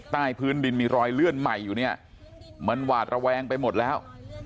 ใต้พื้นดินมีรอยเลื่อนใหม่อยู่เนี่ยมันหวาดระแวงไปหมดแล้ว